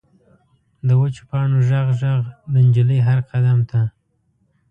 د وچو پاڼو غژ، غژ، د نجلۍ هر قدم ته